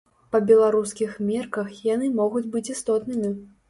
Па беларускіх мерках яны могуць быць істотнымі.